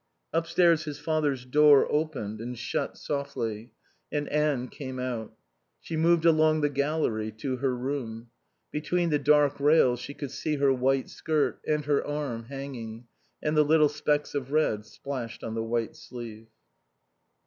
Upstairs his father's door opened and shut softly and Anne came out. She moved along the gallery to her room. Between the dark rails he could see her white skirt, and her arm, hanging, and the little specks of red splashed on the white sleeve.